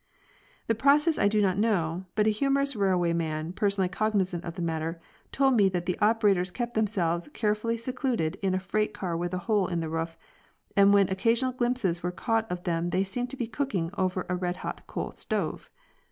The process I do not know, but a humorous railway man, personally cognizant of the matter, told me that the operators kept themselves carefully secluded in a freight car with a hole in the roof, and when occasional glimpses were caught of them they seemed to be cooking over a red hot coal stove.